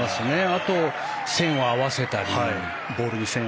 あとは線を合わせたりとか。